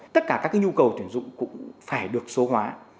tất cả các nhu cầu tuyển dụng cũng phải được số hóa